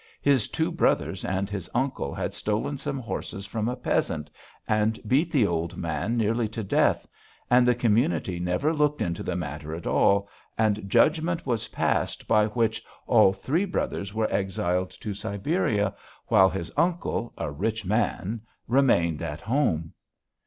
His two brothers and his uncle had stolen some horses from a peasant and beat the old man nearly to death, and the community never looked into the matter at all, and judgment was passed by which all three brothers were exiled to Siberia, while his uncle, a rich man, remained at home.